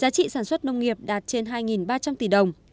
giá trị sản xuất nông nghiệp đạt trên hai ba trăm linh tỷ đồng